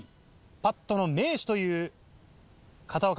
パットの名手という片岡